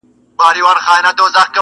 ستا په خاموشۍ کي هم کتاب کتاب خبري دي.